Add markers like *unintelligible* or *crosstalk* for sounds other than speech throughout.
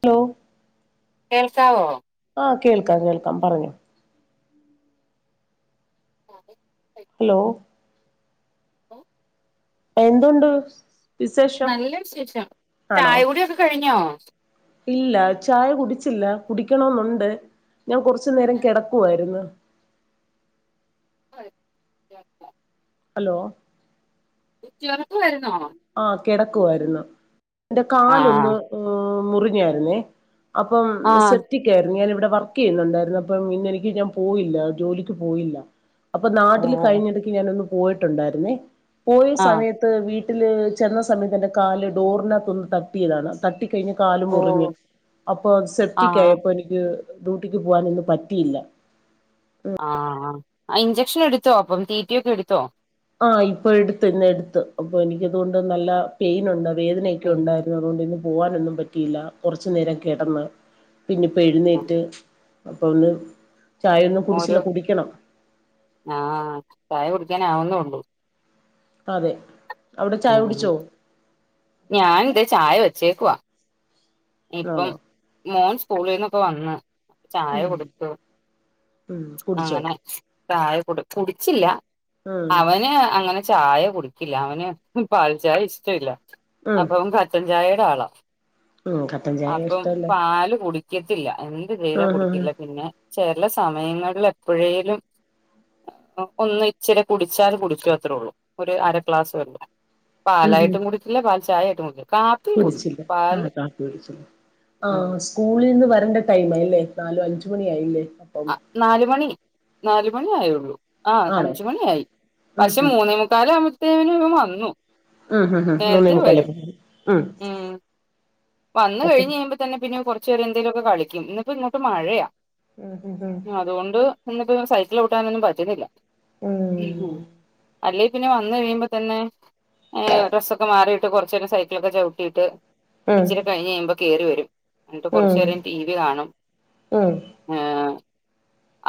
Hello കേൾക്കാ *inaudible* വോ ആഹ് കേൾക്കാം കേൾക്കാം പറഞ്ഞു അ ഹലോ ഓ *unintelligible* എന്തുണ്ട് വിശേഷം നല്ല വിശേഷം ആണോ ചായകുടി ഒക്കെ കഴിഞ്ഞോ ഇല്ല ചായ കുടിച്ചില്ല കുടിക്കണെന്നുണ്ട് ഞാൻ കൊറച്ചു നേരം കെടക്കുയിരുന്നു അ *unintelligible* ഹലോ കെടക്കുവായിരുന്നോ വരുന്നോ ആഹ് കെടക്കുയിരുന്നു എന്റെ കാലൊന്ന് ആഹ് മുറിഞ്ഞാരുന്നേ അപ്പം ആഹ് സെറ്റിക്കായിരുന്നു ഞാന ഇവിടെ- വർക്ക് ചെയ്യുന്നുണ്ടായിരുന്നു അപ്പം ഇന്നെനിക്ക് ഞാൻ പോയില്ല ജോലിക്ക് പോയില്ല അപ്പൊ ഓ നാട്ടില് കഴിഞ്ഞ ഇടയ്ക്കു ഞാനൊന്ന് പോയിട്ടുണ്ടായിരുന്നേ പോയ ആഹ് സമയത്ത് വീട്ട- ട്ട ചെന്ന സമയത്ത് എന്റെ കാല് ഡോറിനത്തു തട്ടതാണ് തട്ടി - കഴിഞ്ഞ കാല് ഓ മുറിഞ്ഞ് അപ്പൊ അത് സെപ്റ്റക് ആഹ് ആയപ്പോ എനിക്ക്- ഡ്യൂട്ടിക്ക് പോവാനൊന്നും പറ്റിയില്ല ആഹ് ഇഞ്ചെക്ഷൻ എടുത്തോ അപ്പം റ്റി റ്റി ഒക്കെ എടുത്തോ ആഹ് ഇപ്പൊ എടുത്ത് ഇന്ന് എടുത്ത് അപ്പൊ എനിക്കതുകൊണ്ട് നല്ല- പെയിൻ ഉണ്ട് വേദനയൊക്കെ പിന്നെ ഉണ്ടായിരുന്നു അതുകൊണ്ട് ഇന്ന് പോകാനൊന്നും പറ്റിയില്ല കൊറച്ചു നേരം കിടന്ന്- പിന്നെപ്പോൾ എഴുന്നേറ്റ് അപ്പ ഒന്ന്- ചായൊന്നും ഓരോ കുടിച്ചില്ല കുടിക്കണം ആഹ് ചായ കുടിക്കാന് ആവുന്നയുള്ളൂ അതെ അവിടെ ചായ ഉം കുടിച്ചോ ഞാൻ എന്റെ ചായ വെച്ചേക്കവാ ഇനി ഇപ്പം ആണോ മോൻ സ്കൂളിൽന്നൊക്കെ വന്ന് ചായ ഉം കൊടുത്തു ഉം കുടിച്ചോ അങ്ങനെ- ചായ കൊട് കുടിച്ചില്ല ഉം അവന് അങ്ങനെ- ചായ കുടിക്കില്ല അവന് പാൽചായ ഇഷ്ടമില്ല ഉം അപ്പം കട്ടൻ ചായ - ഒരാളാ ഉം കട്ടൻ ചായ അപ്പം ഇഷ്ടല്ലേ പാല് കുടിക്കത്തില്ല എന്ത് ചെയ്താ ആഹ് ആഹ് കുടിക്കില്ല പിന്നെ- ചെല സമയങ്ങളിൽ എപ്പോഴേലും- ഒന്ന് ഇച്ചിരെ കുടിച്ചാല് കുടിച്ചു അത്രേ ഉള്ളൂ ഒരു അര ക്ലാസ് വല്ല- ഉം ഉം പാലായിട്ടും കുടിക്കില്ല പാൽ ചായ ആയിട്ടും കുടിക്കല്ല കാപ്പും കുടിക്കും കുടിച്ചില്ല ആഹ് പാല്- കാപ്പി ഉം ആഹ് സ്കൂളിൽ നിന്ന് വരേണ്ട ടൈം ആയില്ലേ നാലും അഞ്ച മണിയ ആയില്ലേ അപ്പം ആ നാല മണി നാലുമണി ആയുള്ളൂ ആ ആണോ അഞ്ച് മണിയിയായി ഉം പക്ഷെ ഉം മൂന്നേ മുക്കാല ആവുത്തേന് വന്നു ഉം ഹം ഉം മൂന്നേ നേരത്തെ മുക്കല്ലെ വരും പോ ഉം വന്ന് കഴിഞ്ഞു കഴിയുമ്പോതന്നെ കൊറച്ചു നേരം എന്തേലുമൊക്കെ കളിക്കും ഇന്നിപ്പോ ഇങ്ങോട്ട് മഴയാ ആഹ് ഹ് ഹ. പിന്നെ ഇപ്പോ സൈക്കിൾ ചവിട്ടാനൊന്നും പറ്റുന്നില്ല ഉം അല്ലെ പിന്നെ വന്ന് കഴിയുമ്പോ തന്നെ ഡ്രസ്സൊക്കെ മാറിട്ട് കുറച്ച് നേരം സൈക്കിളൊക്കെ ചവിട്ടിയിട്ട് ഉം ഇച്ചിരി കഴിഞ്ഞു കഴിയുമ്പോ കേറി വരും. എന്നിട്ട് കുറച്ചു ഉം നേരം ടി വി കാണും ഉം ഏർ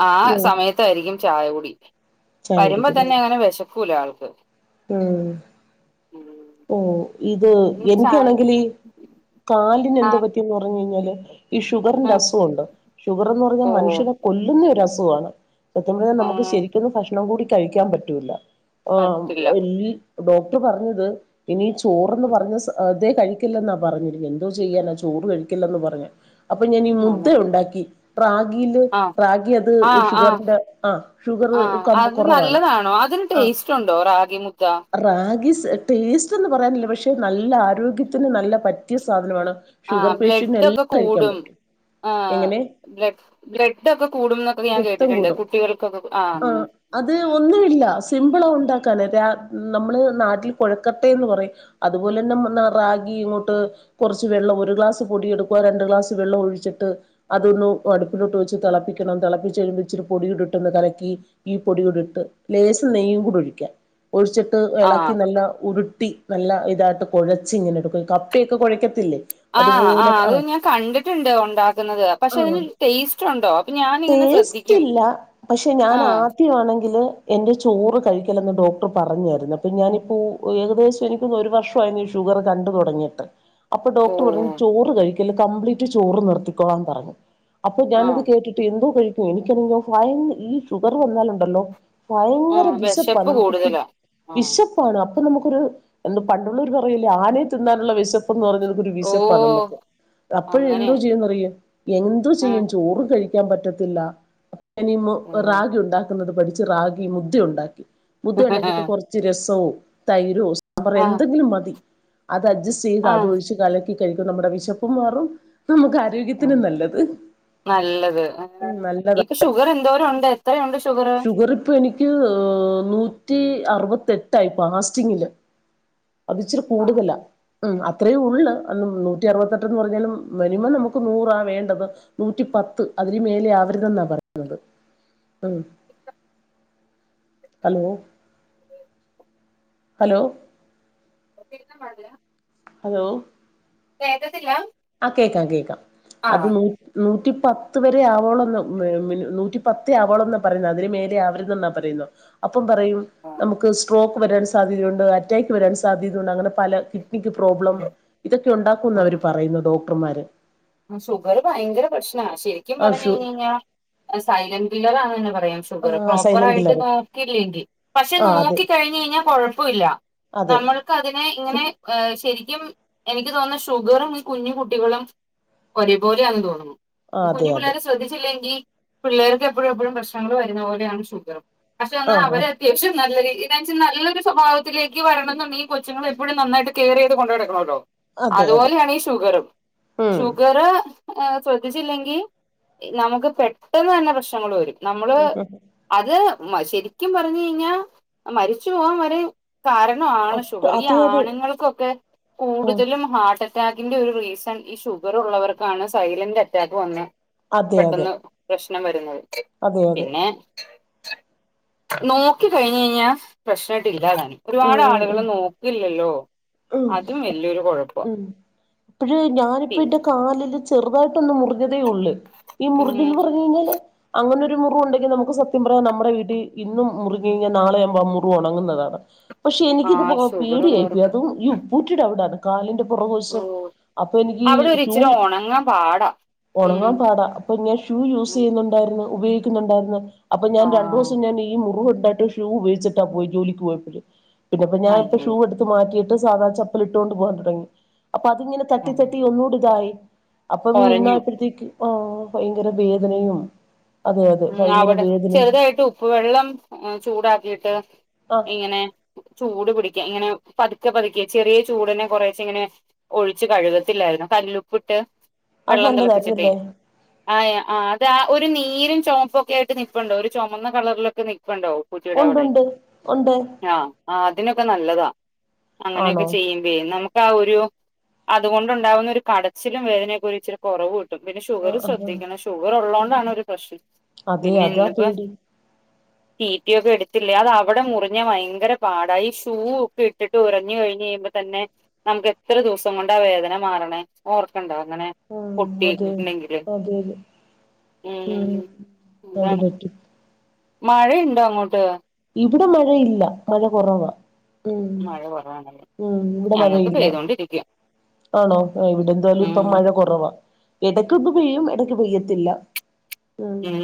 ആ ഉം സമയത്തായിരിക്കും ചായകുടി ചായ വരുമ്പോ കുടിക്കുന്നു തന്നെ അങ്ങനെ വിശക്കൂല ആൾക്ക്. ഉം ഓ. ഇത് എനിക്ക് ചായക്ക് എനിക്കാണെങ്കില് കാലിന് ആ എന്ത് പറ്റിന്ന് പറഞ്ഞു കഴിഞ്ഞാല് ഈ ഷുഗറിന്റെ അസുവുണ്ട് ഷുഗർ എന്ന് പറഞ്ഞാ ഓ മനുഷ്യനെ കൊല്ലുന്ന ഒരു അസു തുവാണ് സത്തം പഴഞ്ഞ നമുക്ക് ശരിക്കൊന്നും ഭക്ഷണം കൂടി കഴിക്കാൻ പറ്റൂല്ല. ആഹ് പറ്റില്ല എൽ ഡോക്ടർ പറഞ്ഞത് ഇനി ചോറ്ന്ന് പറഞ്ഞ സ് ഇതേ കഴിക്കില്ലെന്നാ പറഞ്ഞിരിക്ക എന്തോ ചെയ്യാനാ ചോറ് കഴിക്കില്ലന്ന് പറഞ്ഞ അപ്പോ ഞാൻ ഈ ആ മുദ്ധ ഉണ്ടാക്കി പ്ര റാഗീല് ആ അത് ആ ഷുഗറിന്റെ ആ ഷുഗറ് കുറവാണ് ആഹ്. ടേസ്റ്റുണ്ടോ റാഗി മുദ്ധ? ടേസ്റ്റ്ന്ന് പറയാനില്ല പക്ഷേ നല്ല ആരോഗ്യത്തിന് നല്ല പറ്റിയ സാധനമാണ്. ആഹ് ഷുഗർ പേഷ്യന്റിന് ബ്ലഡ് ഒക്കെ എല്ലാം കഴിക്കാൻ കൂടും പറ്റും ആ എങ്ങനെ ബ്ലഡ് ഒക്കെ കൂടും എന്നൊക്കെ ഞാൻ രക്തം കേട്ടിട്ടുണ്ട് കൂടും കുട്ടികൾക്കൊക്കെ ആ ആഹ് അത് ഒന്നുമില്ല സിമ്പിളാ ഉണ്ടാക്കാന രാ നമ്മള് നാട്ടിൽ കുഴക്ക പറ അതുപോലെ തന്നെറാഗി ഇങ്ങോട്ട് കുറച്ച് വെള്ളം ഒരു ഗലാസ് പൊടി എടുക്ക രണ്ട് ഗ്ലാ വെള്ളം ഒഴിച്ചിട്ട് അതൊ ഒ അടുപ്പിലോട്ട് വെച്ച് തിളപ്പിക്കണം തിളപ്പി കഴുമ്പോ ഇച്ചിരി പൊടിട്ട് ക ഈ പൊടൂടിട്ട് ലേസ് നെയ്യും കൂടി ഒഴിക്കൻ ഒഴിച്ചിട്ട് ആ ഇളക്കി നല്ല ഉരു കുട്ടി നല്ല ഇതായിട്ട് കുഴച്ച് ഇങ്ങനെ എടുക്കും കപ്പയൊക്കെ കുഴയ്ക്കത്തില്ലേ ആഹ് ആ് അത് ഞാൻ കണ്ടിട്ടുണ്ട് ഉണ്ടാക്കുന്നത് പക്ഷെ അതിന് ടേസ്റ്റ് ഉണ്ടോ അപ്പൊ ഞാാനിങ്ങനെ ടേസ്റ്റ്ല്ല പക്ഷെ ഞാൻ ആദ്യമാണെങ്കില് എന്റെ ചോറ് കഴിക്കലെന്ന് ഡോക്ടർ പറഞ്ഞായിരുന്നു അപ്പൊ ഞാനിപ്പോ ഏകദേശം *unintelligible* വർഷ ഷുഗർ കണ്ട തുടങ്ങിയിട്ട് അപ്പൊ ഓ ഡോക്ടർ പറ ചോറ്ക കംപ്ലീറ്റ് ചോറ് നിർത്തിക്കൊളാൻ പറഞ്ഞു അപ്പൊ ആ ഞാനിത് കേട്ടിട്ട് എന്തോ കഴി എനിക്കണെങ്കോ ഫയ ഈ ഷുഗർ വന്നാലുണ്ടല്ലോ ആ ഭയങ്കര വിശപ്പാ വിശപ്പ് നമുക്ക് കൂടുതലാ ആ വിശപ്പാണ് ഇപ്പൊ നമുക്കൊരു എന്ത് പണ്ടുള്ളൂര് പറല്ലേ ആനെ തിന്നാനുള്ള വിശപ്പ്ന്ന് പറഞ്ഞക്ക ഒരു ഓ വിശപ്പ നമുക്ക് അപ്പോഴ അങ്ങനെ എന്തോ ചെയ്യുംന്നറിയ എന്തോ ആ ചെയ്യും ചോറ് കഴി ക്കാൻ പറ്റത്തില്ല ഓ റാഗി ഉണ്ടാക്കുന്നത് പഠിച്ച് റഗി മുദ ഉണ്ടാക്കി മുദ് ഉണ്ടാക്കിയിട്ട് കുറച്ച് രസോ തൈരോ സാമ്പറ ആ എന്തെങ്കിലും മതി അത് അഡ്ജസ്റ്റ് ചെയ്ത് ആ അത് ഒഴിച്ച് കലക്കി കഴിക്കും നമ്മുടെ വിശപ്പും മാറും നമുക്ക് ആരോഗ്യത്തിനും നല്ലത് ഉ നല്ലതാണ് ഇവർ എന്തോരും ഉണ്ട് ഷുഗർ ഇപ്പൊ എനിക്ക് നൂറ്റി അറുപത്തെ എട്ടായി പാസ്റ്റിങ്ങില് അത് ഇച്ചിരി കൂടുതലാ ഉ അത്രയും ഉള്ളൂ അന്ന് നൂറ്റി അറുപത്തെട്ട്ന്ന് പറഞ്ഞാലും മിനിമം നമുക്ക് നൂറാ വേണ്ടത് നൂറ്റി പത്ത് അതിന് മേലെ ആവരുതെന്നാ പറയുന്നത് ഉ ഹലോ ഹലോ എന പറല ഹലോ തത്തില്ല ആ കേൾക്കാം കേക്കാം അത് നൂ നൂറ്റി പത്ത് വരെ ആവോള നൂറ്റി പത്തേ ആവോളോ എന്നാ പറയുന്ന അതിന് മേലെ ആവരുത് ന്നാ പറയുന്നത്. ഇപ്പം പറയും ആ നമുക്ക് സ്ട്രോക്ക് വരാൻ സാധ്യതയുണ്ട് അറ്റാക്ക് വരാൻ സാധ്യതയുണ്ട് അങ്ങനെ പല ക് പ്രോബ്ലം ഇതൊക്കെ ഉണ്ടാക്കുംന്ന് അവര് പറയുന്നു ഡോക്ടർമാര് ശുഗർ ഭയങ്കര പക്ഷ ശരിക്കും ആ പറഞ്ഞ ഷു കഴിഞ് കഴിഞ്ഞാൽ സൈലന്റ് കില്ലറാന്ന് തന്നെ പറയാം ഷുഗർ ആ പ്രോപ്പർ സൈലന്റ് ആയിട്ട് കില്ലറ് നോക്കില്ലെങ്കിൽ പക്ഷെ ആ നോക്ക അതെ കഴിഞ്ഞഞ് കഴിഞ്ഞാ കൊഴപ്പില്ല അതെ നമ്മൾക്ക് അതിനെ ഇങ്ങനെ ശരിക്കും എനിക്ക് തോന്നുന്ന ഷുഗറും കുഞ്ഞു കുട്ടികളും ഒരേപോലെയാെന്ന് തോന്നുന്നു. അതെ കുഞ്ഞു അതെ പിള്ളേരെ ശ്രദ്ധിച്ചില്ലെങ്കിൽ പിള്ളേർക്ക് എപ്പോഴും എപ്പോഴും പ്രശ്നങ്ങൾ വരുന്ന പോലെയാണ് ഷുഗറും പക്ഷെ എന്നാൽ ആഹ് അവരെ *unintelligible* നല്ലൊരു ഇതാ വച്ച നല്ലൊ സ്വഭാവത്തിലേക്ക് വരണ എന്നുണ്ടെങ്കിൽ കൊച്ചുങ്ങളെ എപ്പോഴും നന്നായിട്ട് കെയർ ചെയ്ത് കൊണ്ട് നടക്കണമല്ലോ? അതെ അതെ അതുപോലെയാണ് ഈ ഷുഗറും ഉം ഷുഗറ് ശ്രദ്ധിച്ചില്ലെങ്കി നമുക്ക് പെട്ടെന്ന് തന്നെ പ്രശ്നങ്ങൾ വരും നമ്മള് അത് മ ശരിക്കും പറഞ്ഞു കഴിഞ്ഞാ മരിച്ചു പോവാൻ വരെ കാരണവാണ് അത് ഷുഗറ് ഈ അതെ അതെ ആണുങ്ങൾക്കൊക്കെ ഉം കൂടുതലും ഹാർട്ട് അ റ്റാക്കിന്റെ ഒരു റീസൺ ഈ ഷുഗർ ഉള്ളവർക്കാണ് സൈലന്റ് അറ്റാക്ക് വന്ന് അതെ അതെ പെട്ടെന്ന് പ്രശ്നം വരുന്നത് അതെ അതെ പിന്നെ നോക്കി കഴിഞ്ഞ് കഴിഞ്ഞാൽ പ്രശ്നവോട്ട് ഇല്ലാതാനും ഉം ഒരുപാട് ഉം ആളുകള് ഉം നോക്കില്ലല്ലോ അതും വല്യൊരു കുഴപ്പാ ഞാനിപ്പോ എൻ്റെ കാലില് ചെറുതായിട്ട് ഒന്ന് മുറിഞ്ഞതേ ഉള്ളു ഈ മുറിഞ്ഞെന്ന് ഉം പറഞ്ഞു കഴിഞ്ഞാല് അങ്ങനെ ഒരു ഒരു മുറിവുണ്ടെങ്കി നമുക്ക് സത്യം പറഞ്ഞ നമ്മുടെ വീട്ടി ഇന്നും മുറിഞ്ഞ് കഴിഞ്ഞാ നാളെയാവുമ്പോ ആ മുറു ഉണങ്ങുന്നതാണ് പക്ഷെ ആ എനിക്കിത് പ ഷുഗർ പേടിയായി പോയി ഉള്ളവർക്ക് അതും ഈ ഉപ്പുകുറ്റിടെ അവിടയാണ് കാലിന്റെ ഓ പുറകുവശം അപ്പൊ എനിക്ക് അവിടെ ഒരു ഷൂ ഇച്ചിരി ഉണങ്ങാൻ പാടാ ഉണങ്ങാൻ ഉം പാടാ അപ്പൊ ഞാൻ ഷൂ യൂസ് ഉം ചെയ്യുന്നുണ്ടായിരുന്നു ഉപയോഗ ക്കുന്നുണ്ടായിരുന്നു അപ്പൊ ഞാൻ രണ്ടു ആഹ് ദിവസം ഞാൻ ഈ മുറിവു ഉണ്ടായിട്ടും ഷൂ ഉപയോഗിച്ചിട്ടാ പോയി ജോലിക്ക് പോയപ്പോഴേ പിന്നെപ്പൊ ഞാനിപ്പോ അയ്യോ ഷൂ എടുത്ത് മാറ്റിയിട്ട് സാധാ ചപ്പൽ ഇട്ടുകൊണ്ട് പോകാൻ തുടങ്ങി അപ്പൊ അതിങ്ങനെ തട്ടി ആഹ് തട്ടി ഒന്നുകൂടി ഇതായി അപ്പം കൊരഞ്ഞു ഇന്നായപ്പോഴത്തേക്ക് ആ ഭയങ്കര വേദനയും അതെ അതെ മം ഭയങ്കര അവിടെ വേദനയും ചെറുതായിട്ട് ഉപ്പ് വെള്ളം ചൂടാക്കിയിട്ട് ആ ഇങ്ങനെ ചൂ ചൂട് പിടിക്ക് ഇങ്ങനെ പതുക്കെ പതുക്ക ചെറിയ ചൂടിന് കുറെച്ചേ ഇങ്ങനെ ഒഴിച്ച് കഴുകത്തിലായിരുന്നോ കല്ലുപ്പും പ്പിട്ട് അത് വെള്ളം തിളപ്പിച്ചിട്ടേ നല്ലതായിരുന്നല്ലേ ആ അത് ആ ഒരു നീരും ചുമപ്പുമോക്കെ ആയിട്ട് നിപ്പുണ്ടോ ഒരു ചുമന്ന കളറിലൊക്കെ നി പ്പുണ്ടോ ഉപ്പുകുറ്റിടെ അവിടെ ഉണ്ടുണ്ട് ഉണ്ട് ആഹ് ആഹ് അതിനൊക്കെ നല്ലതാ അങ്ങനെയൊക്കെ ആണോ ചെയ്യുമ്പേ നമുക്ക് ആഹ് ഒരു അതുകൊണ്ടുണ്ടാവുന്ന ഒരു കടച്ചിലും വേദനയൊക്കെ ഒരു ഇച്ചിരി കുറവ് കിട്ടും പിന്നെ ആ ഷുഗറു ആ ആ. ശ്രദ്ധിക്കണം ഷുഗർ ഉള്ളത കൊണ്ടാണ് ഒരു പ്രശ്നം അതെ പിന്നെ അതാ ഇന്നിപ്പോ പേടി റ്റിറ്റിയൊക്കെ എടു ഇല്ലേ അത് അവിടെ മുറിഞ്ഞ ഭയങ്കര പാട ഈ ഷൂ ഒക്കെ ഇട്ടിട്ട് ഒരഞ്ഞുകഴിഞ്ഞ് കഴിയുമ്പോ തന്നെ നമുക്ക് എത്ര ദിവസം കൊണ്ട ആ വേദന മാറണേ ഓർക്കണ്ടാ അങ്ങനെ ആ അതെ പൊട്ടിട്ടുണ്ടെങ്കില് അതെ അതെ മം ഉം അത് എന്താണ് പറ്റും മഴയുണ്ടോ അങ്ങോട്ട് ഇവിടെ മഴയില്ല മഴ കുറവാ. ഉം മഴ കുറവാണല്ലേ ഉം ഇവിടെ ഞങ്ങക്ക് മഴയില്ല പെയ്തൊണ്ടിരിക്ക ആണോ ഇവിടെ എന്തുവായാലും ഇപ്പൊ മഴ കുറവാ ഇടക്ക് ഒന്ന് പെയ്യും ഇടയ്ക്ക് പെയ്യത്തില്ല ഉം മം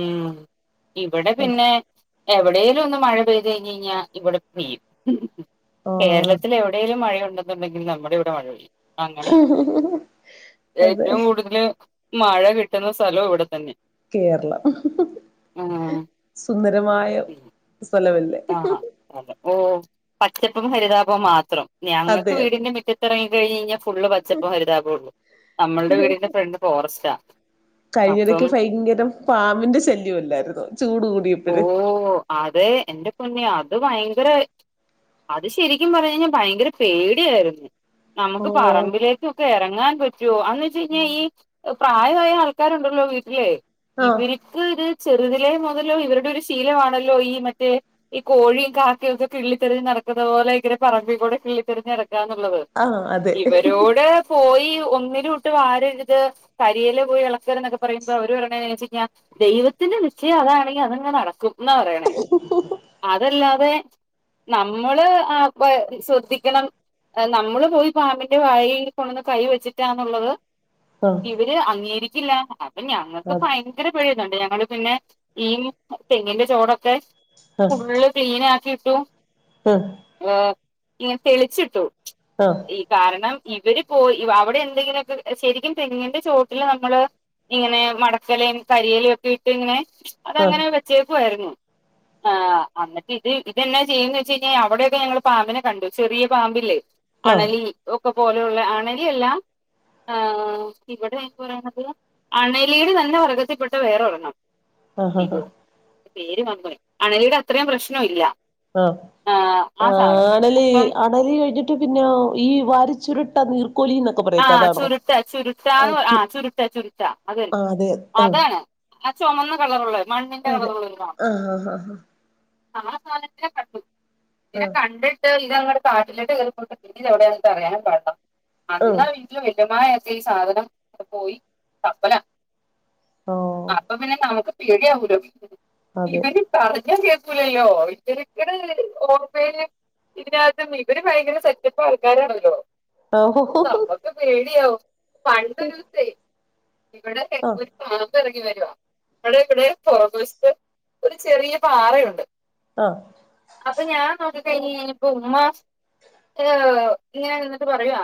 ഇവിടെ പിന്നെ എവിടെ യെങ്കിലും ഒന്ന് മഴ പെയ്ത് കഴിഞ്ഞ് കഴിഞ്ഞാ ഇവിടെ പെയ്യും ആഹ് കേരളത്തില് എവിടേലും മഴ ഉണ്ടേ ണ്ടെങ്കിൽ നമ്മുടെ ഇവിടെ മഴ പെയ്യും അങ്ങനെയ അതെ ഏറ്റവും കൂടുതല് മഴ കിട്ടുന്ന സ്ഥലവും ഇവിടെ തന്നെയ കേരളം സുന്ദരമായ സ്ഥലമലെ ആ അതെ ഓ പച്ചപ്പും ഹരിതാപവും മാത്രം ഞങ്ങൾക്ക് അതെ അതെ വീടിന്റെ മുറ്റത്തെറങ്ങി കഴിഞ്ഞ് കഴിഞ്ഞാ ഫുള് പച്ചപ്പും ഹരിതാപവും ഉള്ളൂ നമ്മൾടെ വീടിന്റെ ഫ്രണ്ട് ഫോറസ്റ്റാ കഴിഞ്ഞടക്ക് അപ്പം ഭയങ്കരം പാമ്പിൻ്റെ ശല്യം അല്ലായിരുന്നോ ഓ അതെ എൻ്റെ പൊന്നെ അ അത് ഭയങ്കര അത് ശരിക്കും പറഞ്ഞ് കഴിഞ്ഞാ ഭയങ്കര പേടിയായിരു നമുക്ക് ഓഹ് പറമ്പിലേക്കൊക്കെ ഇറങ്ങാൻ പറ്റുവോ അന്ന് വെച്ച കഴിഞ്ഞാ ഈ പ്രായമായ ആൾക്കാരുണ്ടല്ലോ വീട്ടിലെ ആഹ് ഇവർക്ക് ഇത് ചെറുതിലേ മു തല് ഇവരുടെ ഒരു ശീലവാണല്ലോ ഈ മറ്റേ ഈ കോഴിയും കാക്കയും ഒക്കെ കിള്ളി തിരഞ്ഞുനടക്കുന്ന പോലെ ഇങ്ങനെ പറമ്പിക്കൂടെ കിള്ളി തിരഞ്ഞു നടക്കുക എന്നുള്ളത് ആഹ് അതെ ഇവരോട് പോയി ഒന്നിലൂട്ട് വാരര്ത് കരിയില പോയി എളക്കരുത് എന്നൊക്കെ പറയുമ്പോ അവര് പറയണ് *unintelligible* ദൈവത്തി ഇന്റെ നിശ്ചയം അതാണെങ്കി അതങ്ങ് നടക്കും ഇന്ന പറയണേ അതല്ലാതെ നമ്മള് ആ ഇപ്പഴ് ശ്രദ്ധിക്കണം നമ്മള് പോയി പാമ്പിന്റെ വായയിൽ കൊണ്ടോന്ന് കൈ വെച്ചിട്ടാന്നുള്ളത് ആഹ് ഇവര് അംഗീകരിക്കില്ലാ അപ്പൊ ഞങ്ങക്ക് ആഹ് ഭയങ്കര പേടി ഞങ്ങള് പിന്നെ ഈ തെങ്ങിന്റെ ചോടൊക്കെ ഫുള്ള് ക്ലീൻ ആക്കിയിട്ടു ഏഹ് ഇങ്ങനെ തെളിച്ചിട്ടു ആഹ് ആഹ് ഈ കാരണം ഇവര് പോയി അവിടെ എന്തെങ്കിലോക്കെ ശരിക്കും തെങ്ങിന്റെ ചോട്ടിലാ നമ്മള് ഇങ്ങനെ മടക്കലയും കരിയലയും ഒക്കെ ഇട്ട് ഇങ്ങനെ ആഹ് അതങ്ങനെ വെച്ചേക്കുവായിരുന്നു ആ ആ അന്നിട്ട് ഇത് ഇതെന്നാ ചെയ്യുന്നേന്ന്ച്ച് കഴിഞ്ഞാ അവിടെയൊക്കെ ഞങ്ങള് പാമ്പിനെ കണ്ട് ചെറിയ പാമ്പില്ലേ അണലി ഒക്കെ പോലെയുള്ള അണലി അല്ലാ ആഹ് ഇവിടെ ഈ പറയുന്നത് അണലീടെ തന്നെ വർഗത്തിപ്പെട്ട വേറൊരെണ്ണം ആ ഹാ ഹാ പേര് മറന്നോയി അണലിടെ അത്രേയും പ്രശ്നം ഇല്ല ആഹ് ആഹ് ആ ആഹ് സാധനം അണലി അപ്പം അണലി കഴിഞ്ഞിട്ട് പിന്നെ ഈ വാരി ചുരുട്ട നീർ ആ ചുര്ട്ട ചുര്ട്ടാന്ന് ആ ചുര്ട്ടാ ചുര്ട്ടാ അത് ആ അതെ ആ അതാണ് ആ ചൊമന്ന കളറുള്ള മണ്ണിന്റെ അതെ കളറുള്ള ഇതോ ആ ആ ആ ആ സാധത്തിനെ കണ്ടു ആ പിന്നെ കണ്ടിട്ട്- പിന്നെങ്ങട്ട് കാട്ടിലേക്ക് കേറിപോയിട്ട് പിന്നത് എവിടെന്ന് ഞങ്ങക്ക് അറിയാനുപാടില്ല ആ ആ *unintelligible* ഈ സാധനം പോയി തപ്പല ഓ അപ്പൊ പിന്നെ നമു പേടിയാവോല്ലോ അതെ ഇവന് പറഞ്ഞ കേ ക്കൂല്ലല്ലോ *unintelligible* ഇതിനകത്തും ഇവര് ഭയങ്കര സെറ്റപ്പ് ആള്ക്കാരാണല്ലോ ആ ഹോ ഹോ ഹോ. നമ്മക്ക് പേടിയാവും പണ്ടോരു തെ ഇവിടെ ആ ഒരു പാമ്പ് എറങ്ങി വേ *unintelligible* അവിടെ ഇവിടെ പുറകു വശത്ത് ഒരു ചെറിയ പാറയുണ്ട് ആ അപ്പ ഞാൻ നോക്കി കഴിഞ്ഞ് കഴിഞ്ഞപ്പോ ഉമ്മാ ഏഹ് ഇങ്ങനെ ഇരുന്നിട്ട് പറയുവാ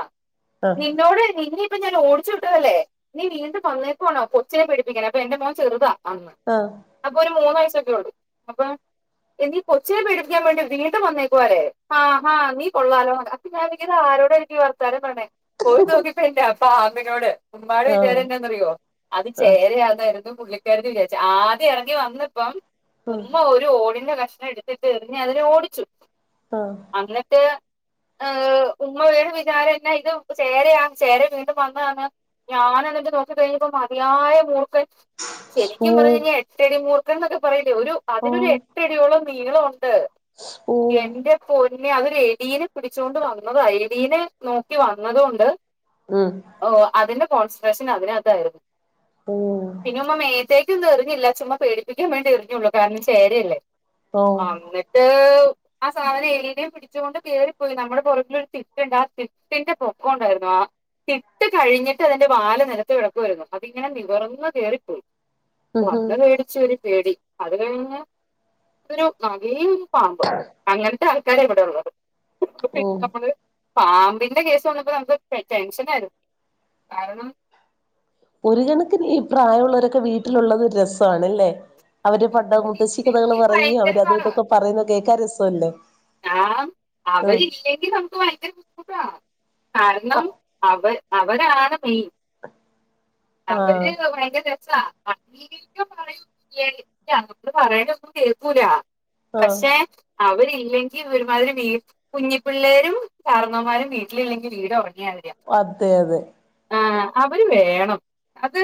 ആ ആ നിന്നോട് നിന്റെ അപ്പ ഞാൻ ഓടിച്ച് വിട്ടതല്ലേ നീ വീണ്ടും വന്നേക്കുവാണോ കൊച്ചിനെ പേടിപ്പിക്കാൻ അപ്പ എന്റെ മോൻ ചെറ്താ അന്ന് ആ അപ്പൊരു മൂന്ന് വയസൊക്കെണ്ട് അപ്പൊ നീ കൊച്ചിനെ പേടിപ്പിക്കാൻ വേണ്ടി വീണ്ടും വന്നേക്കുവാല്ലേ ആഹാ നീ കൊള്ളാലോ അപ്പൊ ഞാനിങ്ങനെ ആലോ ആരോടായിരിക്കും ഈ വർത്താനം പറയ്ണേ പോയി നോക്കിയപ്പോണ്ട് ആ പാമ്പിനോട് ഉമ്മാടെ ആ വിചാരം എന്താന്നറിയോ അത് ആ ചേരയാന്നായി പുള്ളിക്കാരത്തി വിചാരിച്ച് ആദ്യം എറങ്ങി വന്നപ്പം ഉമ്മ ഒരു ഓടിന്റെ ക എടുത്തിട്ട് എറിഞ്ഞു അതിനെ ഓടിച്ചു ആ. അന്നിട്ട്‌ ആഹ് ഉമ്മായ്‌ ഇത് എന്നാ ചേരയാ ചേര വീണ്ടും വന്നതെന്ന്. ഞാൻ എന്നിട്ട് നോക്കിയപോത്തിനും മതിയായ മൂർഖൻ ഓ ശെരിക്കും പർഞ്ഞ് കഴിഞ്ഞാൽ എട്ടടിമൂർക്കൻ എന്നൊക്കെ പറയില്ലേ ഒരു ആ അതിനൊരു എട്ടടിയോളം നീളം ഉ ണ്ട് ഓ എന്റെ പൊന്നെ അതൊരു എലിനെ പിടിച്ചോണ്ട് വന്നതാ എലീനെ നോക്കി വന്നതൊണ്ട് ഉം അതിന്റെ കോൺസെൻട്രേഷൻ അതിനത്തയിരുന്നു ഓ പിന്നൊന്നും മേ *unintelligible* എറിഞ്ഞില്ല ചുമ്മ പേടിപ്പിക്കാൻവേണ്ടി എറിഞ്ഞുള്ളൂ കാരണം ചേരയല്ലേ ഓ ആ ന്നിട്ട് ആ സാധനം എലിനേയും പിടിച്ചോണ്ട് കേറിപ്പോയി നമ്മുടെ പുറികിലൊരു തിട്ട്ണ്ട് ആ തി *unintelligible* തിട്ട് കഴിഞ്ഞിട്ട് അതിന്റെ വാല് നിലത്ത് കിടക്കാർന്നു അതിങ്ങനെ നിവർന്ന് കേറിപ്പോയി ഉം ഉം ഒന്ന് പേടിച്ചൊര് പേടി അത് കഴിഞ്ഞ് ട്ടൊരു *unintelligible* പാമ്പ് അങ്ങനത്തെ ആൾക്കാര് എവിടെ ഉള്ളത് പിന്നെ ഓ നമ്മള് പാമ്പി എന്റെ കേസ് വന്നപ്പോ നമുക്ക് ടെൻഷനായിരുന്നു കാരണം. ഒരു കണക്കിന് ഈ പ്രായമുള്ളവരൊക്കെ വീട്ടിലുള്ളത് രസാണല്ലേ. അവര് ഇത് പണ്ട് മുത്തശ്ശിക്കഥകൾ ഇല്ലെങ്കിൽ പറയും അവര് അതു ഭയങ്കരമാണ് ഇത്തൊക്കെ പറയുന്ന കേൾക്കാ രസമല്ലേ. ആ അവര് ഇല്ലെങ്കിൽ നമുക്ക് ഭയങ്കര ബുദ്ധിമുട്ടാ കാരണം അവ അവരാണ് മെയിൻ. അവര് ചെയ്തോ ഭയങ്കര രസ *unintelligible* പറയും *unintelligible* പറയണ ഒന്നും കേക്കൂല. ആഹ് പക്ഷെ. അവരില്ലെങ്കി ഒരുമാതിരി വീ കുഞ്ഞിപ്പിള്ളേരും കാരണവന്മാരും വീട്ടിലില്ലെങ്കിൽ വീട് ഉറങ്. അതെ അതെ. അവര് വേണം അത്